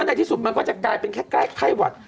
ในที่สุดมันก็จะกลายเป็นแค่ใกล้ไข้หวัด